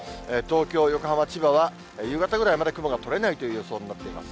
東京、横浜、千葉は、夕方ぐらいまで雲がとれないという予想になっています。